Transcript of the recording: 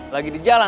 lagi di jalan